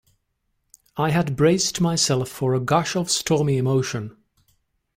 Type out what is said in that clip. I had braced myself for a gush of stormy emotion.